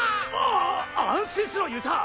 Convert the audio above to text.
あ安心しろ遊佐。